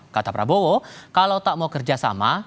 kata prabowo kalau tak mau kerjasama